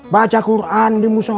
pergi sekitar tempat disuruh